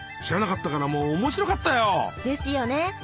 知らなかったからもう面白かったよ。ですよね。